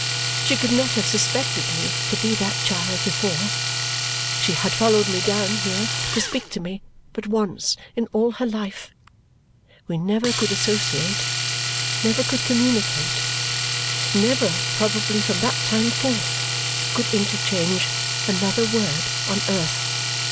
She could not have suspected me to be that child before. She had followed me down here to speak to me but once in all her life. We never could associate, never could communicate, never probably from that time forth could interchange another word on earth.